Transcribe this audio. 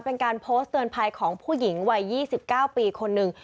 เป็นการโพสต์เตือนภัยของผู้หญิงวัย๒๙ปีคนหนึ่ง